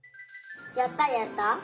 やったやった？